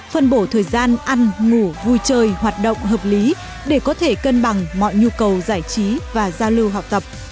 phân bổ thời gian ăn ngủ vui chơi hoạt động hợp lý để có thể cân bằng mọi nhu cầu giải trí và giao lưu học tập